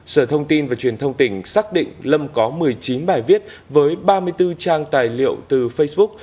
sở thông tin và truyền thông tỉnh xác định lâm có một mươi chín bài viết với ba mươi bốn trang tài liệu từ facebook